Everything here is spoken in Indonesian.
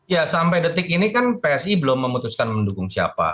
ya sampai detik ini kan psi belum memutuskan mendukung siapa